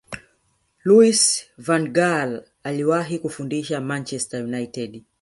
louis van gaal aliwahi kufundisha manchester united